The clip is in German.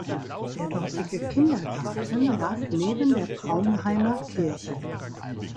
Der dortige Kindergarten lag neben der Praunheimer Kirche.